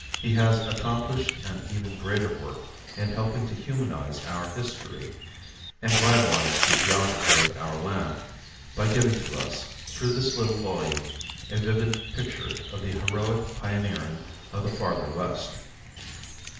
He has accomplished an even greater work in helping to humanize our history and vitalize the geography of our land, by giving to us, through this little volume, a vivid picture of the heroic pioneering of the Farther West.